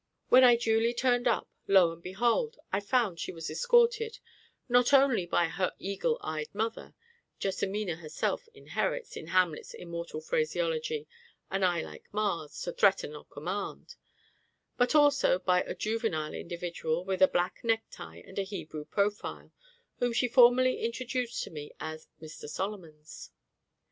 When I duly turned up, lo and behold! I found she was escorted, not only by her eagle eyed mother (JESSIMINA herself inherits, in Hamlet's immortal phraseology, "an eye like Ma's, to threaten or command"), but also by a juvenile individual with a black neck tie and Hebrew profile, whom she formerly introduced to me as Mr SOLOMONS.